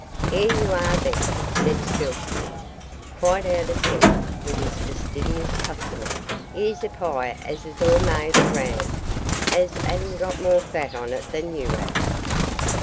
''Ere y'are, then,' said Spilsby, quite out of temper with his fastidious customer; ''ere's a pie as is all made of ram as 'adn't got more fat on it than you 'ave.